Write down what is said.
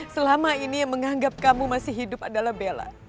selama ini yang menganggap kamu masih hidup adalah bella